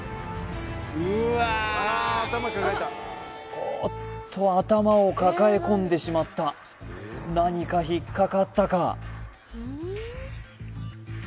おーっと頭を抱え込んでしまった何か引っかかったか？